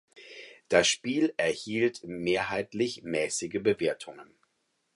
Das Spiel erhielt mehrheitlich mäßige Bewertungen.